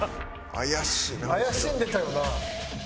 怪しんでたよな。